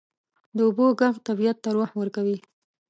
د اوبو ږغ طبیعت ته روح ورکوي.